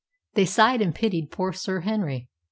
They sighed and pitied poor Sir Henry.